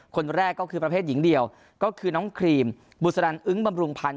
คนแรกก็คือประเภทหญิงเดียวก็คือน้องครีมบุษนันอึ้งบำรุงพันธ